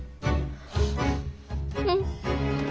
うん。